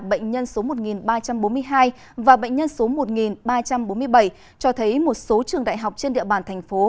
bệnh nhân số một ba trăm bốn mươi hai và bệnh nhân số một ba trăm bốn mươi bảy cho thấy một số trường đại học trên địa bàn thành phố